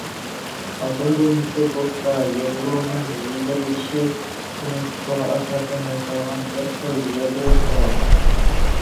ئاتوم بومبىسى بولسا يادرونىڭ يىمىرىلىش پىرىنسىپىغا ئاساسەن ياسالغان بىرخىل يادرو قورالى.